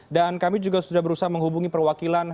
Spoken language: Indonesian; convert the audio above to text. dan kami juga sudah berusaha menghubungi perwakilan